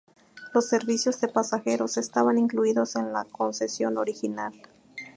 Los servicios de pasajeros estaban incluidos en la concesión original.